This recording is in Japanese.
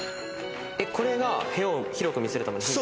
これが部屋を広く見せるヒント？